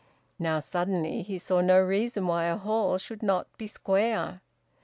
Now suddenly he saw no reason why a hall should not be square.